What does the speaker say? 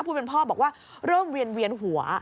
ผู้เป็นพ่อบอกว่าเริ่มเวียนหัว